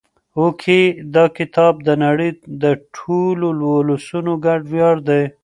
هوکې دا کتاب د نړۍ د ټولو ولسونو ګډ ویاړ دی.